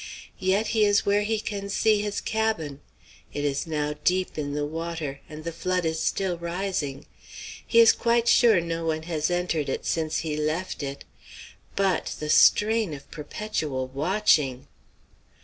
Yet he is where he can see his cabin. It is now deep in the water, and the flood is still rising. He is quite sure no one has entered it since he left it. But the strain of perpetual watching!